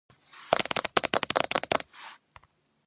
მდებარეობს ლიბიის სამხრეთ-დასავლეთ ნაწილში, საჰარაში.